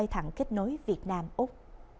hẳn kết nối việt nam úc